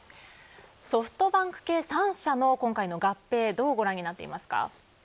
ソフトバンク系３社の今回の合併どうご覧になっていますか。